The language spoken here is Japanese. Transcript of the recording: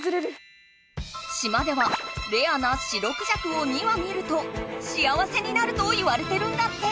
島ではレアな白クジャクを２羽見るとしあわせになるといわれてるんだって！